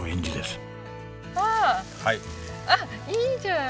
あっいいじゃん！